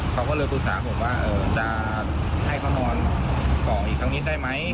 เขาก็เลยปรึกษาผมว่าจะให้เขานอนต่ออีกสักนิดได้ไหม